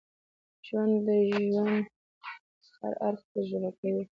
ژوندي د ژوند هر اړخ تجربه کوي